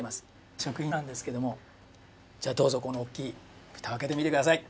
食品なんですけどもじゃあどうぞこのおっきいふたをあけてみてください。